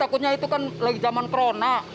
takutnya itu kan lagi zaman corona